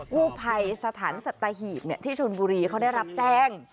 กู้ภัยสถานสัตหีบที่ชนบุรีเขาได้รับแจ้ง